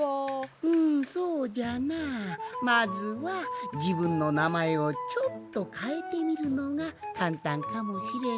うんそうじゃなまずはじぶんのなまえをちょっとかえてみるのがかんたんかもしれんぞい。